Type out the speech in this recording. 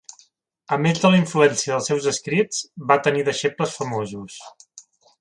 A més de la influència dels seus escrits, va tenir deixebles famosos.